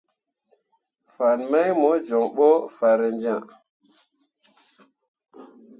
Fan mai mo jon ɓo farenjẽa.